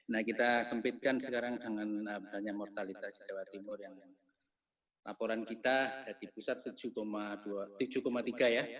nah kita sempitkan sekarang dengan banyak mortalitas jawa timur yang laporan kita di pusat tujuh tiga ya